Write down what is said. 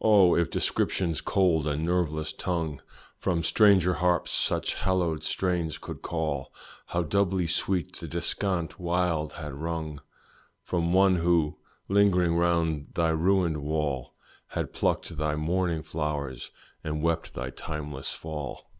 Oh! if description's cold and nerveless tongue From stranger harps such hallowed strains could call, How doubly sweet the descant wild had rung, From one who, lingering round thy ruined wall, Had plucked thy mourning flowers and wept thy timeless fall.